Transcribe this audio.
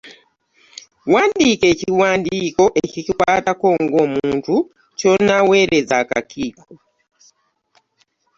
Wandiika ekiwandiiko ekikukwatako ng’omuntu ky’onaawereza akakiiko.